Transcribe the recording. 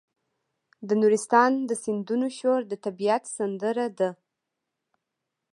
د نورستان د سیندونو شور د طبیعت سندره ده.